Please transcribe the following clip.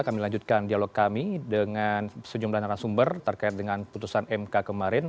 kami lanjutkan dialog kami dengan sejumlah narasumber terkait dengan putusan mk kemarin